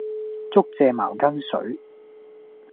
竹蔗茅根水